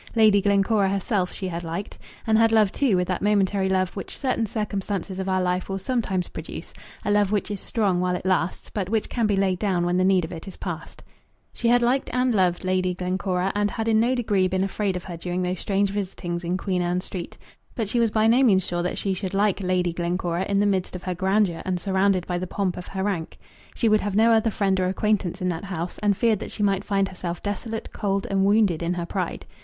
Lady Glencora herself she had liked, and had loved too with that momentary love which certain circumstances of our life will sometimes produce, a love which is strong while it lasts, but which can be laid down when the need of it is passed. She had liked and loved Lady Glencora, and had in no degree been afraid of her during those strange visitings in Queen Anne Street; but she was by no means sure that she should like Lady Glencora in the midst of her grandeur and surrounded by the pomp of her rank. She would have no other friend or acquaintance in that house, and feared that she might find herself desolate, cold, and wounded in her pride.